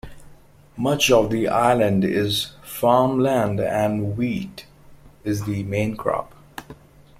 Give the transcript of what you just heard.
Much of the island is farmland, and wheat is the main crop.